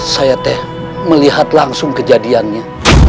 saya teh melihat langsung kejadiannya